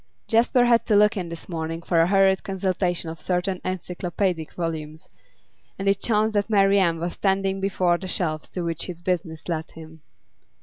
Jasper had to look in this morning for a hurried consultation of certain encyclopaedic volumes, and it chanced that Marian was standing before the shelves to which his business led him.